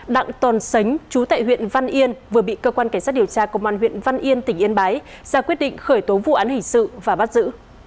đặng tòn sánh chú tại huyện văn yên vừa bị cơ quan cảnh sát điều tra công an huyện văn yên tỉnh yên bái ra quyết định khởi tố vụ án hình sự và bắt giữ